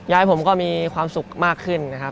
ยายผมก็มีความสุขมากขึ้นนะครับ